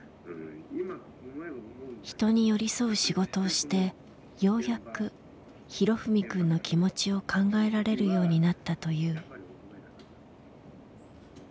人に寄り添う仕事をしてようやく裕史くんの気持ちを考えられるようになったという。